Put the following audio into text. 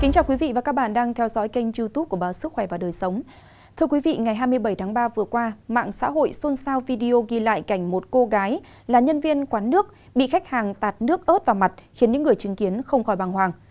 các bạn hãy đăng ký kênh để ủng hộ kênh của chúng mình nhé